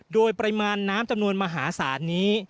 โดยปริมาณน้ำจำนวนมหาศาลนี้